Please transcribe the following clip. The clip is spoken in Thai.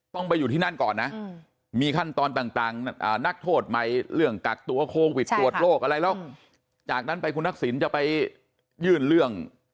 ต้องไปอยู่ที่นั่นก่อนนะมีขั้นตอนต่างนักโทษใหม่เรื่องกักตัวโควิดตรวจโรคอะไรแล้วจากนั้นไปคุณทักษิณจะไปยื่นเรื่อง